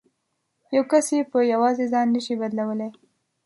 یو کس یې په یوازې ځان نه شي بدلولای.